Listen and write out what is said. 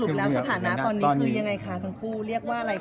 แล้วสถานะตอนนี้คือยังไงคะทั้งคู่เรียกว่าอะไรคะ